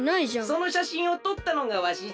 そのしゃしんをとったのがわしじゃ。